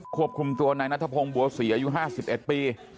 ควบคุมตัวนายนัทพงศ์บัวศรีอายุ๕๑ปี